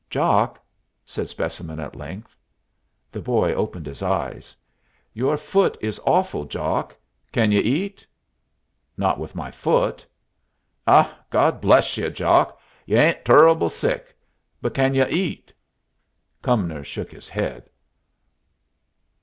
"Jock," said Specimen at length. The boy opened his eyes. "Your foot is awful, Jock. Can y'u eat?" "Not with my foot." "Ah, God bless y'u, Jock! Y'u ain't turruble sick. But can y'u eat?" Cumnor shook his head.